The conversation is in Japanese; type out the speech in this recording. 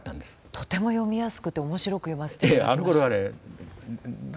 とても読みやすくて面白く読ませていただきました。